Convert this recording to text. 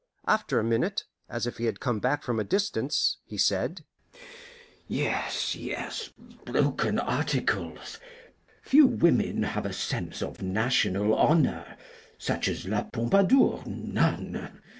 After a minute, as if he had come back from a distance, he said: "Yes, yes, broken articles. Few women have a sense of national honour, such as La Pompadour none!